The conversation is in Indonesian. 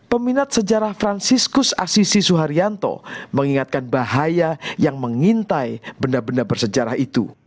peminat sejarah franciscus asisi suharyanto mengingatkan bahaya yang mengintai benda benda bersejarah itu